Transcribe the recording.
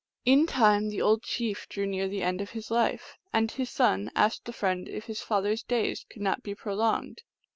In time the old chief drew near the end of his life, and his son asked the friend if his father s days could not be prolonged.